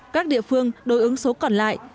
các địa phương đối ứng số còn lại